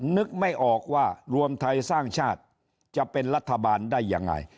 นึกไม่ออกว่ารวมไทยสร้างชาติจะเป็นรัฐบาลได้ยังไง